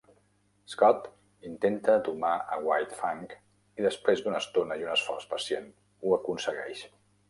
Scott intenta domar a White Fang, i després d'una estona i un esforç pacient ho aconsegueix.